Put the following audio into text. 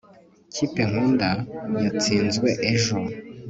ikipe nkunda yatsinzwe ejo